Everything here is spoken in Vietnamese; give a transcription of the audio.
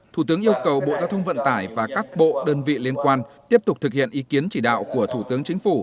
thủ tướng yêu cầu bộ giao thông vận tải và các bộ đơn vị liên quan tiếp tục thực hiện ý kiến chỉ đạo của thủ tướng chính phủ